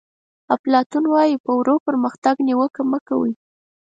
افلاطون وایي په ورو پرمختګ نیوکه مه کوئ.